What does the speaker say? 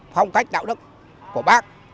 phong cách đạo đức của bác